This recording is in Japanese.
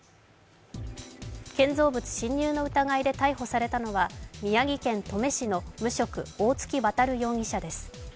建造物侵入の疑いで逮捕されたのは、宮城県登米市の無職、大槻渉容疑者です。